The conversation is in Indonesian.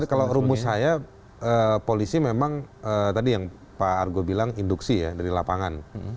kalau rumus saya polisi memang tadi yang pak argo bilang induksi ya dari lapangan